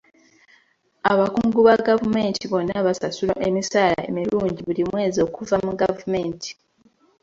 Abakungu ba gavumenti bonna basasulwa emisaala emirungi buli mwezi okuva mu gavumenti